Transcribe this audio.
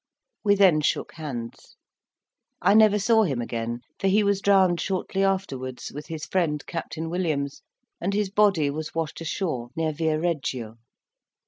We then shook hands. I never saw him again; for he was drowned shortly afterwards, with his friend, Captain Williams, and his body was washed ashore near Via Reggio.